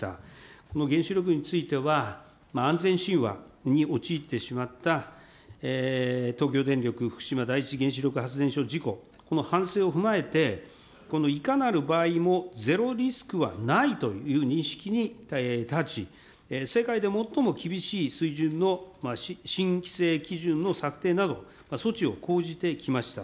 この原子力については、安全神話に陥ってしまった、東京電力福島第一原子力発電所事故、この反省を踏まえて、このいかなる場合もゼロリスクはないという認識に立ち、世界で最も厳しい水準の申請基準の策定など、措置を講じてきました。